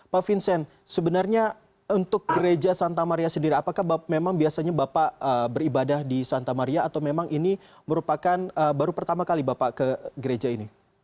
pak vincent sebenarnya untuk gereja santa maria sendiri apakah memang biasanya bapak beribadah di santa maria atau memang ini merupakan baru pertama kali bapak ke gereja ini